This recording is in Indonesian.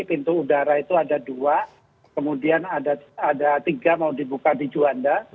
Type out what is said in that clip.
pintu udara itu ada dua kemudian ada tiga mau dibuka di juanda